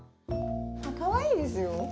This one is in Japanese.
あっかわいいですよ。